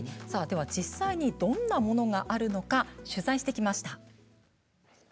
実際にどんなものがあるのか取材してきました。